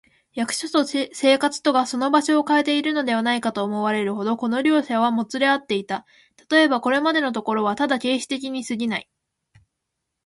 役所と生活とがその場所をかえているのではないか、と思われるほど、この両者はもつれ合っていた。たとえば、これまでのところはただ形式的にすぎない、